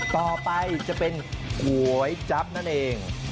ต่อไปจะเป็นก๋วยจั๊บนั่นเอง